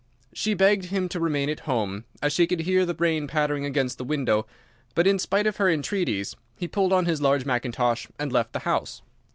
She begged him to remain at home, as she could hear the rain pattering against the window, but in spite of her entreaties he pulled on his large mackintosh and left the house.